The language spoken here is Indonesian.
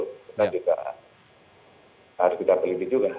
kita juga harus kita teliti juga